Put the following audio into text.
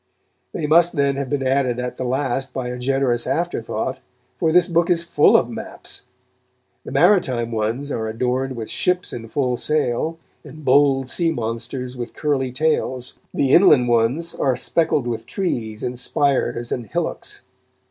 They must, then, have been added at the last by a generous afterthought, for this book is full of maps. The maritime ones are adorned with ships in full sail, and bold sea monsters with curly tails; the inland ones are speckled with trees and spires and hillocks.